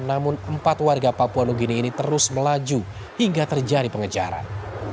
namun empat warga papua new guinea ini terus melaju hingga terjadi pengejaran